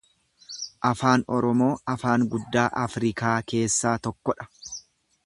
Afaan Oromoo afaan guddaa Afrikaa keessaa tokko dha.